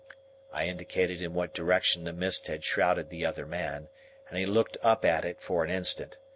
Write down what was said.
I indicated in what direction the mist had shrouded the other man, and he looked up at it for an instant.